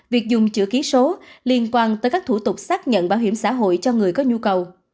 việc dùng chữ ký số liên quan tới các thủ tục xác nhận bảo hiểm xã hội cho người có nhu cầu